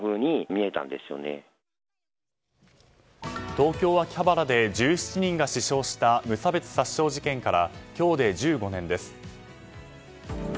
東京・秋葉原で１７人が死傷した無差別殺傷事件から今日で１５年です。